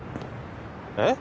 えっ！？